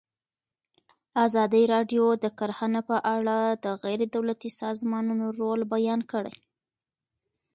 ازادي راډیو د کرهنه په اړه د غیر دولتي سازمانونو رول بیان کړی.